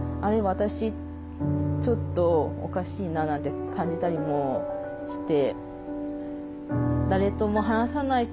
私ちょっとおかしいな」なんて感じたりもして。